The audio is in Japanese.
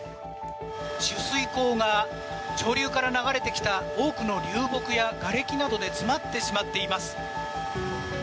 取水口が上流から流れてきた多くの流木やがれきなどで詰まってしまっています。